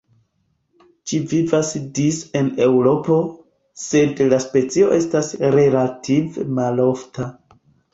Ĝi vivas dise en Eŭropo, sed la specio estas relative malofta.